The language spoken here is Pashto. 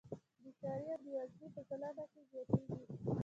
بېکاري او بېوزلي په ټولنه کې زیاتېږي